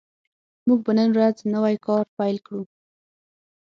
موږ به نن ورځ نوی کار پیل کړو